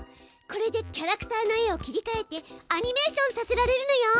これでキャラクターの絵を切りかえてアニメーションさせられるのよ！